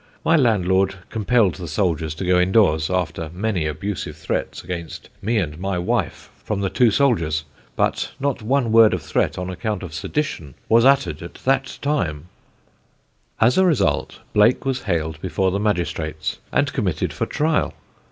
My landlord compelled the soldiers to go indoors, after many abusive threats against me and my wife from the two soldiers; but not one word of threat on account of sedition was uttered at that time." [Sidenote: WILLIAM BLAKE, TRAITOR] As a result, Blake was haled before the magistrates and committed for trial.